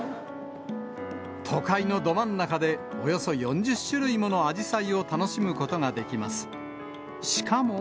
都会のど真ん中で、およそ４０種類ものアジサイを楽しむことができます。